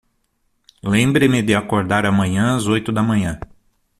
Lembre-me de acordar amanhã às oito da manhã.